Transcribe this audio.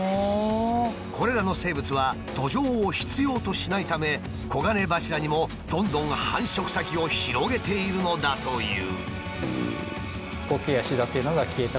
これらの生物は土壌を必要としないため黄金柱にもどんどん繁殖先を広げているのだという。